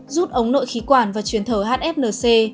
rút ống nội khí quản và chuyển thở hfnc